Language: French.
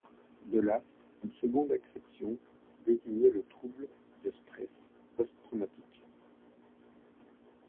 De là, une seconde acception désignait le trouble de stress post-traumatique.